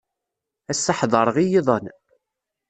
Ass-a ḥedṛeɣ i yiḍan.